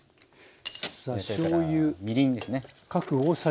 それからみりんですね。